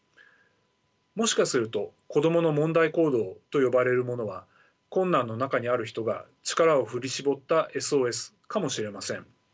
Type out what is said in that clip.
もしかすると子どもの問題行動と呼ばれるものは困難の中にある人が力を振り絞ったＳＯＳかもしれません。